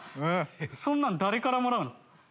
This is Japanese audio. そんなん誰からもらうの？